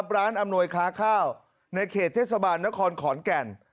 อำนวยค้าข้าวในเขตเทศบาลนครขอนแก่น